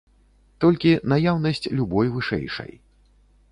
Толькі наяўнасць любой вышэйшай.